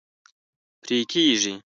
پرې کیږي